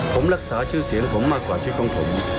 ผมรักษาชื่อเสียงผมมากกว่าชื่อของผม